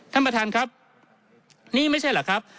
ท่านประธานครับนี่ไม่ใช่เหรอครับ